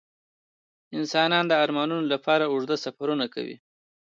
انسانان د ارمانونو لپاره اوږده سفرونه کوي.